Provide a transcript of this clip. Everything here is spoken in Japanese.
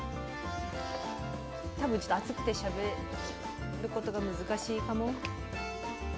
多分ちょっと熱くてしゃべることが難しいかも。